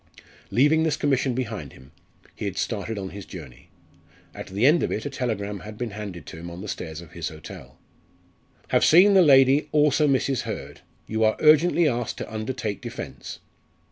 Leaving this commission behind him, he had started on his journey. At the end of it a telegram had been handed to him on the stairs of his hotel: "Have seen the lady, also Mrs. Hurd. You are urgently asked to undertake defence."